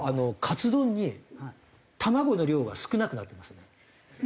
カツ丼に卵の量が少なくなってますよね。